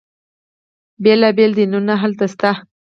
بیلا بیل دینونه هلته شته.